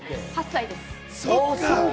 ８歳です。